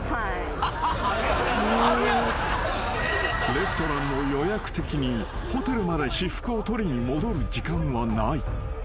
［レストランの予約的にホテルまで私服を取りに戻る時間はない］